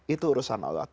itu urusan allah